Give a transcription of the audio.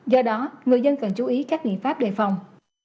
do đó người dân cần chú ý các miệng pháp đề phòng